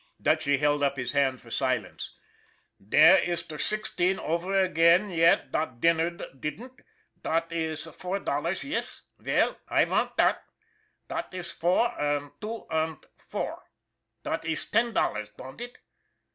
Dutchy held up his hand for silence. " Dere iss der sixteen over again yet dot dinnered didn'd. Dot iss four dollars yess? Veil, I vant dot. Dot iss four und two and four. Dot iss ten dollars don'd it?